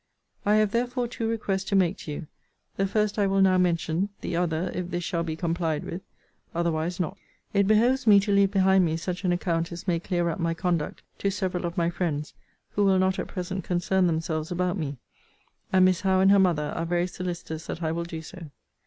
I have therefore two requests to make to you: the first I will now mention; the other, if this shall be complied with, otherwise not. It behoves me to leave behind me such an account as may clear up my conduct to several of my friends who will not at present concern themselves about me: and Miss Howe, and her mother, are very solicitous that I will do so.